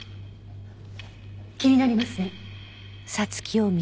気になりますね。